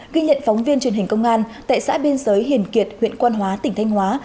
ghi nhận phóng viên truyền hình công an tại xã biên giới hiền kiệt huyện quan hóa tỉnh thanh hóa